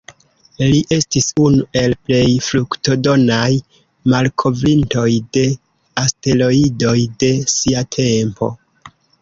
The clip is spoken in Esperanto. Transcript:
Li estis unu el plej fruktodonaj malkovrintoj de asteroidoj de sia tempo.